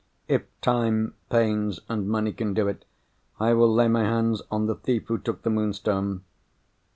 "If time, pains, and money can do it, I will lay my hand on the thief who took the Moonstone."